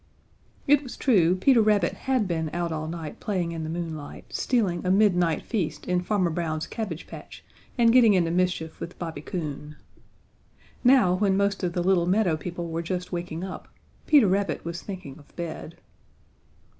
It was true Peter Rabbit had been out all night playing in the moonlight, stealing a midnight feast in Farmer Brown's cabbage patch and getting into mischief with Bobby Coon. Now when most of the little meadow people were just waking up Peter Rabbit was thinking of bed.